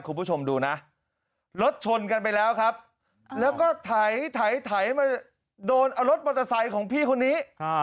คุณผู้ชมดูนะรถชนกันไปแล้วครับแล้วก็ไถมาโดนเอารถมอเตอร์ไซค์ของพี่คนนี้